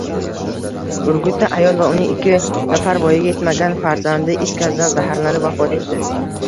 Urgutda ayol va uning ikki nafar voyaga yetmagan farzandi is gazidan zaharlanib, vafot etdi